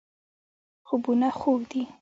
خوبونه خوږ دي.